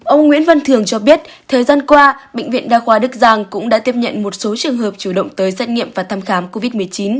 ông nguyễn văn thường cho biết thời gian qua bệnh viện đa khoa đức giang cũng đã tiếp nhận một số trường hợp chủ động tới xét nghiệm và thăm khám covid một mươi chín